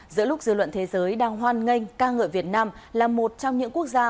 giữa lúc dư luận thế giới đang hoan nghênh ca ngợi việt nam là một trong những quốc gia